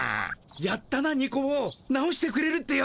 やったなニコ坊直してくれるってよ。